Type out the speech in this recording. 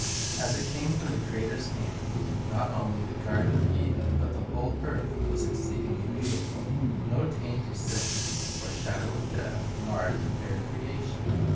As it came from the .Creator's hand, not only the garden of Eden but the whole earth was exceedingly beautiful. No taint of sin, or shadow of death, marred the fair creation.